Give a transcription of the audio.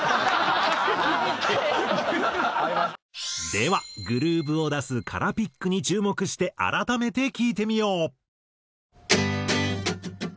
ではグルーヴを出す空ピックに注目して改めて聴いてみよう。